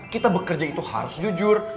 kita bekerja itu harus jujur